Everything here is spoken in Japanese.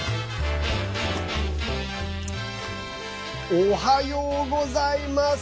おはようございます。